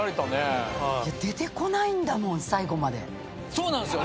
そうなんすよ。